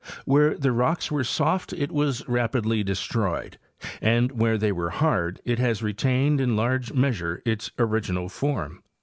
Where the rocks were soft it was rapidly destroyed, and where they were hard it has retained in large measure its original form.